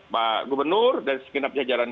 pak gubernur dan sekitar penjajaran